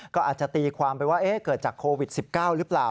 ก็อาจจะตีความไปว่าเกิดจากโควิด๑๙หรือเปล่า